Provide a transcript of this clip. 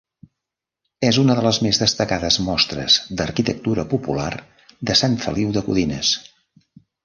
És una de les més destacades mostres d'arquitectura popular de Sant Feliu de Codines.